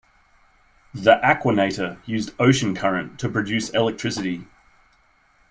The Aquanator used ocean current to produce electricity.